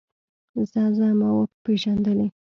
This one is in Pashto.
ځه ځه ما وپېژندلې.